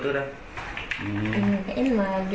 ฮั่น